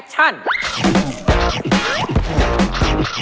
ให้มืด